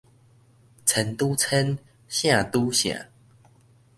千拄千，聖拄聖